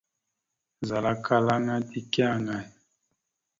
Zal akkal aŋa teke aŋay ?